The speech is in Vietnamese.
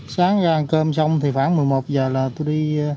sáng ra ăn cơm xong thì khoảng một mươi một giờ là tôi đi